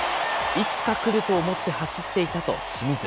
いつか来ると思って走っていたと清水。